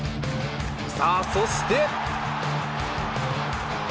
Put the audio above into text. さあ、そして。